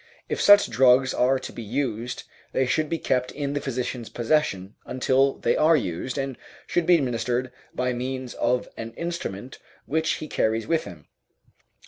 If such drugs are to be used, they should be kept in the physician's possession until they are used, and should be administered by means of an instrument which he carries with him.